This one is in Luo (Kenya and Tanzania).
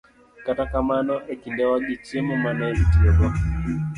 Kata kamano, e kindewagi, chiemo ma ne itiyogo